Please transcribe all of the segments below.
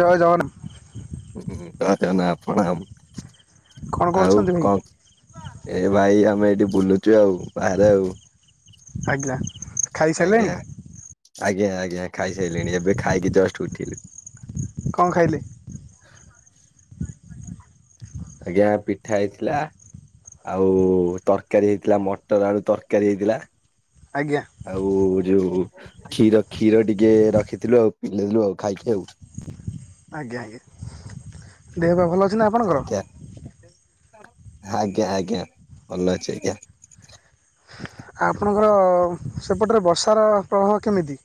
ଜୟ ଜଗନାଁ ହୁଁ ଧଦନା ଆପଣ ଆମ୍। କଣ ଆଉ କରୁଛନ୍ତି ଭାଇ କ? ଏ ଭାଇ ଆମେ ଏଇଠି ବୁଲୁଚୁ ଆଉ। ବାହାରେ ଆଉ। ଆଜ୍ଞା। ଖାଇସାରିଲେଣି ଆଜ୍ଞା। ଆଜ୍ଞା ଆଜ୍ଞା ଖାଇସାରିଲିଣି ଏବେ ଖାଇକି ଜଷ୍ଟ୍ ଉଠିଲି। କ ଖାଇଲେ? ଆଜ୍ଞା ପିଠା ହେଇଥିଲା ଆଉ ତକାରୀ ହେଇଥିଲା ମଟର ଆଳୁ ତକାରୀ ହେଇଥିଲା। ଆଜ୍ଞା। ଆଉ ଯଉ। କ୍ଷୀର କ୍ଷୀର ଟିକେ ରଖିଥିଲୁ ଆଉ ପିଇଦେଲୁ ଆଉ ଖାଇକି ଆଉ। ଆଜ୍ଞା ଆଜ୍ଞା। ଦେହ ପା ଭଲ ଅଛି ନା ଆପଣଙ୍କର? ଯା। ଆଜ୍ଞା ଆଜ୍ଞା। ଭଲ ଅଛି ଆଜ୍ଞା। ଆପଣଙ୍କର ସେପଟରେ ବର୍ଷାର ପ୍ରଭାବ କେମିତି?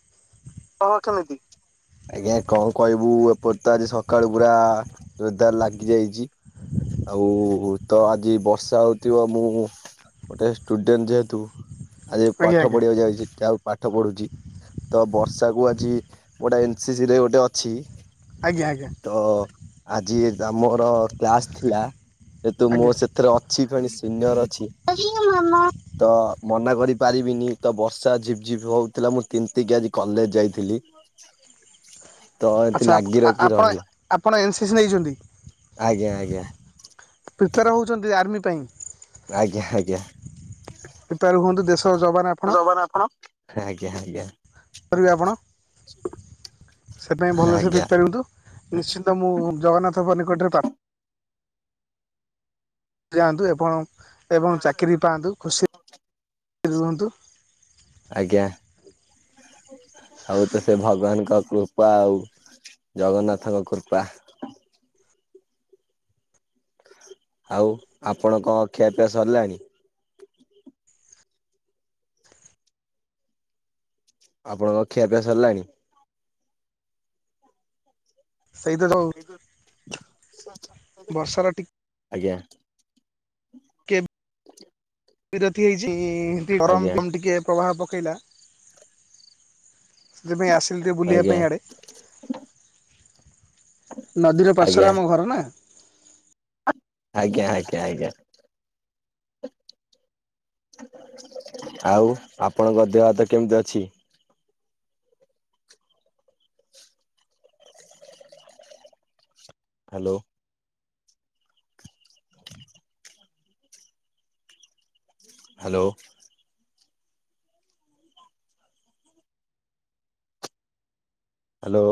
କଣ କେମିତି? ଆଜ୍ଞା କ କହିବୁ ଏପଟ ତ ଆଜି ସକାଳୁ ପୁରା ଜୋଦାର୍ ଲାଗି ଯାଇଚି ଆଉ ତ ଆଜି ବର୍ଷା ହଉଥିବ ମୁଁ ଗୋଟେ ଷ୍ଟୁଡେଣ୍ଟ୍ ଯେହେତୁ ଆଜି ଆଜ୍ଞା ପାଠ ଆଜ୍ଞା ପଢ଼ିବାକୁ ଯାଉଛି। ଯାହଉ ପାଠ ପଢ଼ୁଚି। ତ ବ ଷା କୁ ଆଜି। ଗୋଟେ ଏନ ସିସି ରେ ଗୋଟେ ଅଛି। ଆଜ୍ଞା ଆଜ୍ଞା। ତ। ଆଜି ଦାମର କ୍ଲାସ ଥିଲା। ଯେତୁ ମୁଁ ଆଜ୍ଞା ସେଥିରେ ଅ ଅଛି କହିଲେ ସିନିୟର ଅଛି। ଅଛି ହଁ ମାମା। ତ ମନା କରି ପାରିବିନି ତ ବର୍ଷା ଝିପ୍ ଝିପ୍ ହଉଥିଲା ମୁଁ ତିନ୍ତିକି ଆଜି କଲେଜେ ଯାଇଥିଲି। ତ ଏମିତି ଆଚ୍ଛା ଲାଗି ରଖି ଆପଣ ରହିଲା ଆ ଆପଣ ଏନ୍ସିସ୍ ନେଇଛନ୍ତି? ଆଜ୍ଞା ଆଜ୍ଞା। ପ୍ରିପେୟାର ହେଉଛନ୍ତି ଆର୍ମି ପାଇଁ? ଆଜ୍ଞା ଆଜ୍ଞା। ପ୍ରିପେୟାର ହୁଅନ୍ତୁ ଦେଶର ଯବାନ ଆପଣ ଜବାର ଆପଣ। ଆଜ୍ଞା ଆଜ୍ଞା। କରିବେ ଆପଣ। ସେ ପାଇଁ ଭଲସେ ଆଜ୍ଞା ପ୍ରିପାୟର ହୁଅନ୍ତୁ। ନିଶ୍ଚି ତ ମୁଁ ଜଗନ୍ନାଥ କ ନିକଟରେ ପ୍ରା ଯାଆନ୍ତୁ ଏବଂ ଏବଂ ଚାକିରିୀ ପାଆନ୍ତୁ ଖୁସି ରୁହନ୍ତୁ। ଆଜ୍ଞା। ସବୁତ ସେ ଭଗବାନଙ୍କ କୃପା ଆଉ ଜଗନ୍ନାଥଙ୍କ କୃପା। ଆଉ ଆପଣଙ୍କ ଖିଆପିଆ ସରିଲାଣି? ଆପଣଙ୍କ ଖିଆପିଆ ସରିଲାଣି? ସେଇତ ଯୋଉ ବର୍ଷର ଟି ଆଜ୍ଞା। ଟିକେ [unintelligible] ବିରତି ହେଛି ଗରମ ଆଜ୍ଞା [inaudible] ଟିକେ ପ୍ରଭାବ ପକେଇଲା ସେଥିପାଇଁ ଆସିଲି ଟେ ବୁଲିଆ ଆଜ୍ଞା ପାଇଁ ଆଡ଼େ। ନଦୀର ଆଜ୍ଞା ପାର୍ଶ୍ଵରେ ଆମ ଘର ନା ଆଜ୍ଞା ଆଜ୍ଞା ଆଜ୍ଞା। ଆଉ ଆପଣଙ୍କ ଦେହ ହାତ କେମିତି ଅଛି? ହାଲୋ। ହାଲୋ। ହାଲୋ।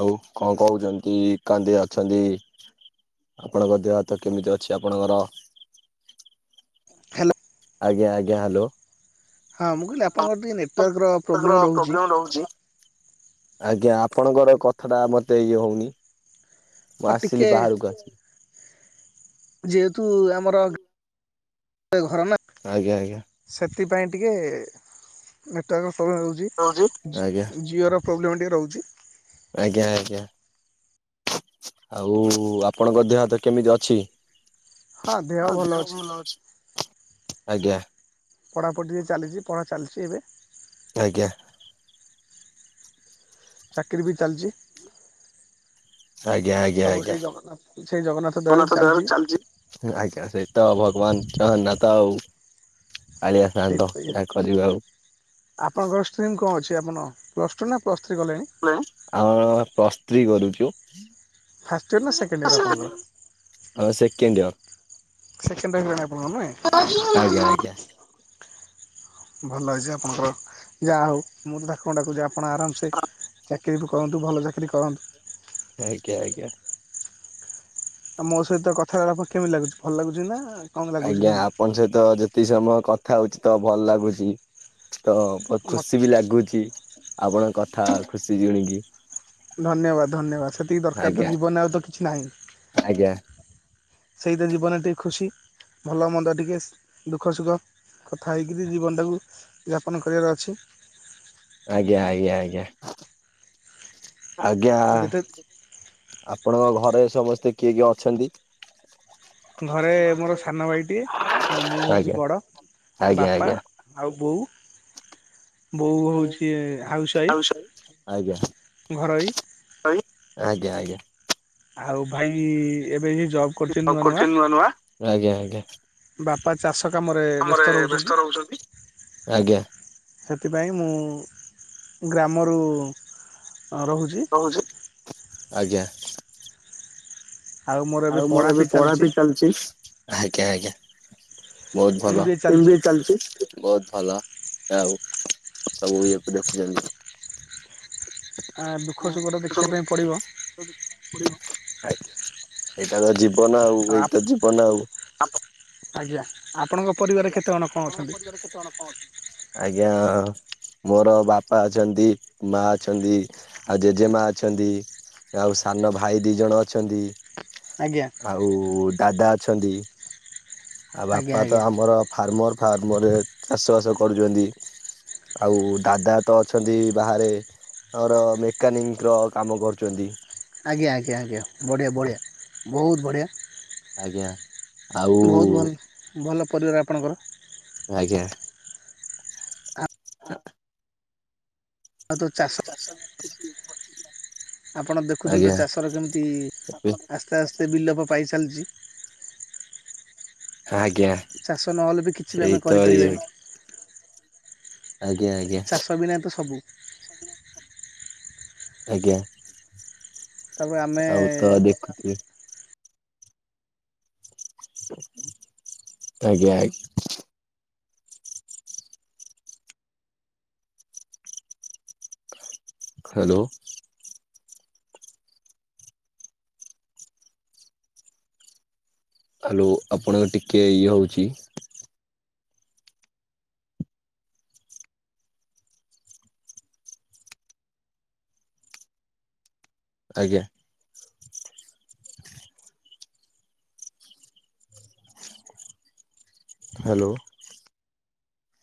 ଆଉ କଁ କହୁଚନ୍ତି କାନ୍ଦି ଅଛନ୍ତି ଆପଣଙ୍କ ଦେହ ହାତ କେମିତି ଅଛି ଆପଣଙ୍କର? ହ୍ୟାଲୋ ଆଜ୍ଞ ଆଜ୍ଞା ହାଲୋ। ହାଁ ମୁଁ କହିଲି ଆପଣଙ୍କର ଟିକିଏ ନେଟୱାର୍କର ପ୍ରୋବ୍ଲେମ୍ ରହୁଛି। ଆଜ୍ଞା ଆପଣଙ୍କର କଥାଟା ମତେ ଇଏ ହଉନି। ମୁଁ ହଁ ଆସିଲି ଟିକେ ବାହାରକୁ ଆସି ଯେହେତୁ ଆମର ଘ ଘର ନା ଆଜ୍ଞା ଆଜ୍ଞା। ସେଥିପାଇଁ ଟିକେ ନେଟୱାର୍କ ପ୍ରୋବ୍ଲେମ୍ ଆଜ୍ଞା ହଉଛି ଜିଓର ପ୍ରୋବଲେମ୍ ଟିକେ ରହୁଛି। ଆଜ୍ଞା ଆଜ୍ଞା। ଆଉ ଆପଣଙ୍କ ଦେହହାତ କେମିତି ଅଛି? ହଁ ଦେହ ଭଲ ଅଛି ଆଜ୍ଞା। ପଢ଼ାପଢ଼ିି ଟିକେ ଚାଲିଚି ପଢ଼ା ଚାଲିଛି ଏବେ। ଆଜ୍ଞା। ଚାକିରୀ ବି ଚାଲ୍ ଚି। ଆଜ୍ଞା ଆଜ୍ଞା ସବୁ ଆଜ୍ଞା। ସେଇ ଜଗନ୍ନାଥ ସେଇ ଜଗନ୍ନାଥ ଦୟାରୁ ଚାଲିଛି ଆଜ୍ଞା ସେଇ ତ ଭଗବାନ୍ ତ ଅନାଥ ଉ। କାଳିଆ ସେଇତ ସାନ୍ତ ଇଏ ଯାହା କରିବ ଆଉ। ଆପଣଙ୍କର ଷ୍ଟ୍ରିମ୍ କଁ ଅଛି ଆପଣ ପ୍ଲସ୍ ଟୁ ନା ପ୍ଲସ୍ ଥ୍ରୀ କଲେଣି? [unintelligible] ଆ ପ୍ଲସ୍ ଥ୍ରୀ କରୁଛୁ। ଫାଷ୍ଟ ଇୟର୍ ନା ସେକେଣ୍ଡ ଇୟର୍ ଆପଣଙ୍କର ହଁ ସେକିଣ୍ଡିଅ। ସେକେଣ୍ଡ ଟାଇମ୍ [unintelligible] ଆପଣ ନୁହେଁ। ଆଜ୍ଞା ଆଜ୍ଞା। ଭଲ ହେଇଛି ଆପଣଙ୍କର ଯାହା ହଉ ମୁଁ ତ ଠାକୁର ଙ୍କୁ ଡାକୁଚି ଆପଣ ଆରାମ୍ ସେ ଚାକିରି ବି କରନ୍ତୁ ଭଲ ଚାକିରି କରନ୍ତୁ। ଆଜ୍ଞା ଆଜ୍ଞା। ଆଉ ମୋ ସହିତ କଥାହେଲା ପରେ କେମିତି ଲାଗୁଛି, ଭଲ ଲାଗୁଛି ନା? କଣ ଲାଗୁଛି ଆଜ୍ଞା କେମିତି ଆପଣଙ୍କ ସହିତ ଯେତିକି ସମୟ କଥା ହଉଛି ତ ଭଲ ଲାଗୁଛି। ତ ବହୁତ ଖୁସି ବି ଲାଗୁଛି ଆପଣଙ୍କ କଥା ଖୁସି ଜିଣି କି। ଧନ୍ୟବାଦ ଧନ୍ୟବାଦ ସେତିକି ଦରକାର ତ ଆଜ୍ଞା ଜୀବନରେ ଆଉ ତ କିଛି ନାହିଁ। ଆଜ୍ଞା ସେଇତ ଜୀବନରେ ଟିକେ ଖୁସି, ଭଲମନ୍ଦ ଟିକେ ଦୁଃଖ ସୁଖ। କଥା ହେଇକିରି ଜୀବନଟାକୁ ଯାପନ କରିବାର ଅଛି। ଆଜ୍ଞା ଆଜ୍ଞା ଆଜ୍ଞା। ଆଜ୍ଞା ଯେତେ ଆପଣଙ୍କ ଘରେ ସମସ୍ତେ କିଏ କିଏ ଅଛନ୍ତି? ଘରେ ମୋର ସାନ ଭାଇଟିଏ ଆଉ ମୁଁ ହଉଛି ଆଜ୍ଞା ବଡ଼ ଆଜ୍ଞା ବାପା ଆଜ୍ଞା। ଆଉ ବୋଉ ବୋଉ ହଉଛି ହାଉସ ୱାଇଫ, ଘରୋଇ ପାଣି ଆଜ୍ଞା ଆଜ୍ଞା। ଆଉ ଭାଇ ଏବେ ହି ଜବ। ଜବ୍ କରୁଛି ନୂଆ ନୂଆ ଆଜ୍ଞା ଆଜ୍ଞା। ବାପା ଚାଷ କାମରେ ବ୍ୟସ୍ତ ରହୁଛନ୍ତି। ସେଥିପାଇଁ ମୁଁ ଗ୍ରାମରୁ ରହୁଛି। ରହୁଛି ଆଜ୍ଞା। ଆଉ ମୋର ଏବେ ପଢା ବି ଚାଲିଛି। ଆଜ୍ଞା ଆଜ୍ଞା ବହୁତ ଏମ୍ ଭଲ ବି ଏ ଚାଲିଛି ଏମ୍ବିଏ ଚାଲିଚି। ବହୁତ ଭଲ ଆଉ ସବୁ ଇଏକୁ ଦେଖୁଛନ୍ତି। ଆ ଦୁଃଖ ସୁଖ ତ ଦେଖିବା ପାଇଁ ପଡ଼ିବ। ଆଜ୍ଞା ଏଇଟା ତ ଜୀବନ ଆଉ ଏଇ ତ ଜୀବନ ଆଉ। ଆଜ୍ଞା। ଆପଣଙ୍କ ପରିବାରରେ କେତେ ଜଣ କଣ ଅଛନ୍ତି? ଆଜ୍ଞା। ମୋର ବାପା ଅଛନ୍ତି, ମା ଅଛନ୍ତି, ଆଉ ଜେଜେମା ଅଛନ୍ତି। ଆଉ ସାନ ଭାଇ ଦୁଇ ଜଣ ଅଛନ୍ତି। ଆଜ୍ଞା। ଆଉ ଦାଦା ଅଛନ୍ତି ଆଉ ଆଜ୍ଞା ବାପା ତ ଆଜ୍ଞା ଆମର ଫାର୍ମର ଫାର୍ମରେ ଚାଷ ବାସ କରୁଚନ୍ତି। ଆଉ ଦାଦା ତ ଅଛନ୍ତି ବାହାରେ ଆମର ମେକାନିକ୍ ର କାମ କରୁଚନ୍ତି। ଆଜ୍ଞା ଆଜ୍ଞା ଆଜ୍ଞା ବଢ଼ିଆ ବଢ଼ିଆ ବହୁତ ବଢ଼ିଆ। ଆଜ୍ଞା ଆଉ ବହୁତ ଭଲ ଭଲ ପରିବାର ଆପଣଙ୍କର। ଆଜ୍ଞା। ଆଉ ତ ତାଙ୍କର ଯୋଉ ଚାଷ ଟିକେ କିଛି ପଛେଇ ଥିଲା। ଆପଣ ଦେଖୁଛନ୍ତି ତ ଚାଷର କେମିତି ଆସ୍ତେ ଆସ୍ତେ ବିଲୋପ ପାଇଚାଲିଛି। ଆଜ୍ଞା ଚାଷ ନହେଲେ ବି କିଛି ବି ଆମେ ସେଇତ ଇଏ କରିପାରିବାନି। ଆଜ୍ଞା ଆଜ୍ଞା ଚାଷ ବିନା ତ ସବୁ। ଆଜ୍ଞା ତାପରେ ଆମେ ଆଉ ତ ଦେଖୁଚି ଆଜ୍ଞା ଆଇ ହାଲୋ। ହାଲୋ ଆପଣଙ୍କର ଟିକେ ଇଏ ହଉଛି। ଆଜ୍ଞା। ହ୍ୟାଲୋ।